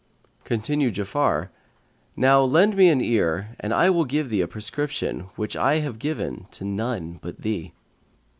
Continued Ja'afar, "Now lend me an ear and I will give thee a prescription, which I have given to none but thee."